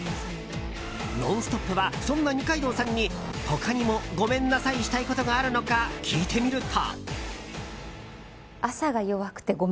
「ノンストップ！」はそんな二階堂さんに他にもごめんなさいしたいことがあるのか聞いてみると。